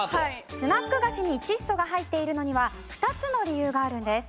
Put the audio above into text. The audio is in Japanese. スナック菓子に窒素が入っているのには２つの理由があるんです。